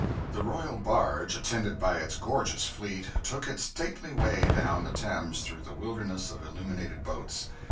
The royal barge, attended by its gorgeous fleet, took its stately way down the Thames through the wilderness of illuminated boats.